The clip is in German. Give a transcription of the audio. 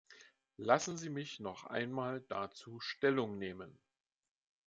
Lassen Sie mich noch einmal dazu Stellung nehmen.